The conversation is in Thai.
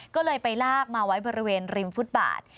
ก็เลยไปลากมาไว้บริเวณริมฟุตบาท